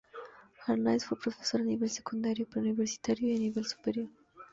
Arnáiz fue profesor a nivel secundario, preuniversitario y a nivel superior.